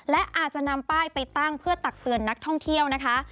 และอาจจะนำป้ายไปตั้งเพื่อตักเตือนนักท่องเที่ยวนะคะ